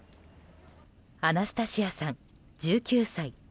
アナスタシアさん、１９歳。